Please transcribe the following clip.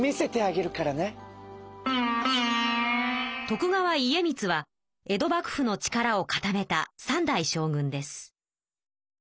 徳川家光は江戸幕府の力を固めた３代将軍です。